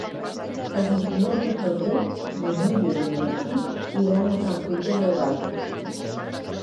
El vint-i-nou de febrer na Núria i en Martí iran a Sant Fruitós de Bages.